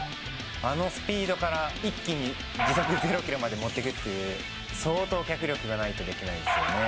あのスピードから一気に時速０キロまで持っていくっていう、相当脚力がないとできないですよね。